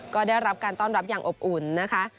ก็ได้รับการต้อนรับอย่างอบอุ่นนะคะ